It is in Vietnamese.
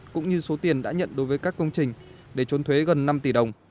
cũng như số tiền đã nhận đối với các công trình để trốn thuế gần năm tỷ đồng